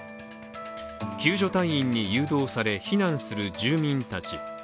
救助隊員に誘導され避難する住民たち。